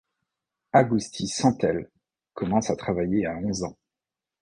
Agusti Centelles commence à travailler à onze ans.